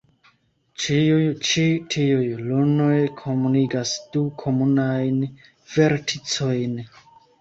Ĉiuj ĉi tiuj lunoj komunigas du komunajn verticojn.